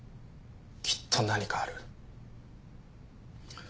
きっと何かある。